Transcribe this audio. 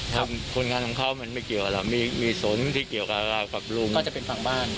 คนงานของเขามันไม่เกี่ยวกับเรามีสนที่เกี่ยวกับลุงก็จะเป็นฝั่งบ้าน